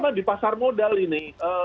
karena di pasar modal ini